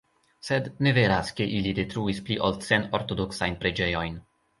Sed ne veras, ke ili detruis pli ol cent ortodoksajn preĝejojn.